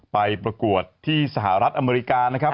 ประกวดที่สหรัฐอเมริกานะครับ